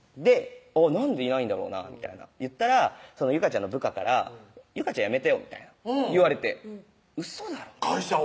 「なんでいないんだろうな」みたいな言ったら有果ちゃんの部下から「有果ちゃん辞めたよ」みたいな言われて「ウソだろ」会社を？